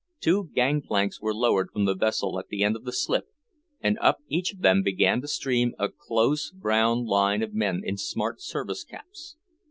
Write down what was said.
Two gangplanks were lowered from the vessel at the end of the slip, and up each of them began to stream a close brown line of men in smart service caps.